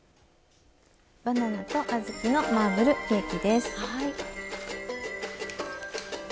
バナナと小豆のマーブルケーキです。